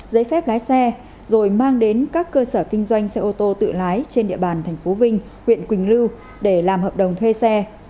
giấy phép lái xe rồi mang đến các cơ sở kinh doanh xe ô tô tự lái trên địa bàn tp vinh huyện quỳnh lưu để làm hợp đồng thuê xe